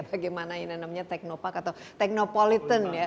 bagaimana ini namanya teknopak atau teknopolitan ya